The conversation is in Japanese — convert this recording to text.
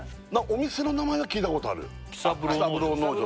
お店の名前は聞いたことある喜三郎農場？